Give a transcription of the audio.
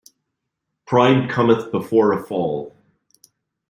Pride cometh before a fall.